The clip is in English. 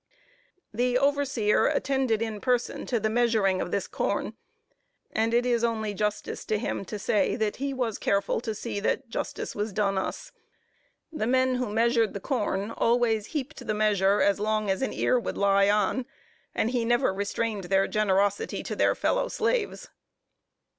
The overseer attended in person to the measuring of this corn; and it is only justice to him to say that he was careful to see that justice was done us. The men who measured the corn always heaped the measure as long as an ear would lie on; and he never restrained their generosity to their fellow slaves.